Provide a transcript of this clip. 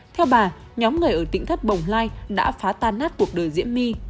theo bà nhóm người ở tỉnh thất bồng lai đã phá tan nát cuộc đời diễm my